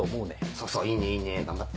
そうそういいねいいね頑張って。